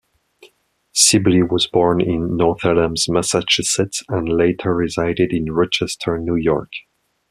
Sibley was born in North Adams, Massachusetts, and later resided in Rochester, New York.